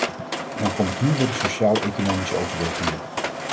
Dan kom ik nu bij de sociaal-economische overwegingen.